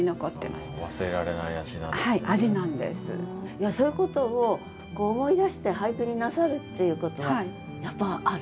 いやそういうことを思い出して俳句になさるっていうことはやっぱある？